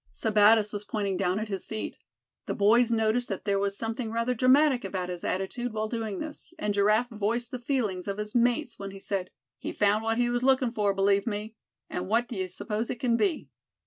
Sebattis was pointing down at his feet. The boys noticed that there was something rather dramatic about his attitude while doing this; and Giraffe voiced the feelings of his mates when he said: "He found what he was looking for, believe me; and what d'ye suppose it c'n be?"